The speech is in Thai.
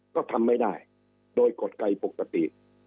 ก็ทำไม่ได้โดยกฎไกรปกติ